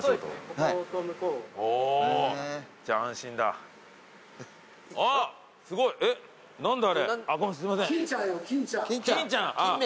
うん。